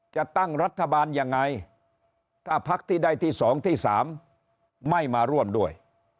จะตั้งรัฐบาลยังไงถ้าพักที่ได้ที่๒ที่๓ไม่มาร่วมด้วย